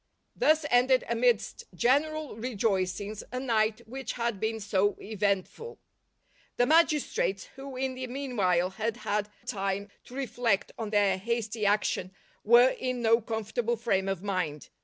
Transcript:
Thus ended amidst general rejoicings a night which had been so eventful. 5 66 LIFE OF ST. PAUL The magistrates, who in the meanwhile had had time to reflect on their hasty action, were in no comfortable frame of mind.